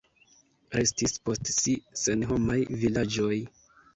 Restis post si senhomaj vilaĝoj.